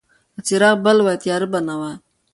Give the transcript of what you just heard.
که څراغ بل وای، تیاره به نه وه.